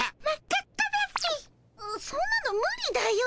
そんなの無理だよ。